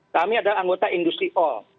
kami adalah anggota industri all